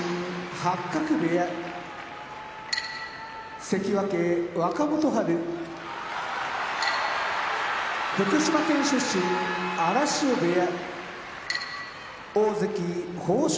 八角部屋関脇・若元春福島県出身荒汐部屋大関豊昇